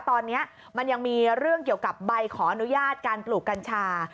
ตอนนี้มันยังมีเรื่องเกี่ยวกับใบขออนุญาตการปลูกกัญชา